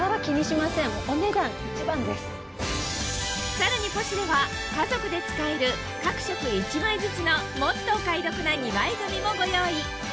さらに『ポシュレ』は家族で使える各色１枚ずつのもっとお買い得な２枚組もご用意！